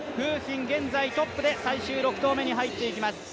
馮彬、現在トップで最終６投目に入っていきます。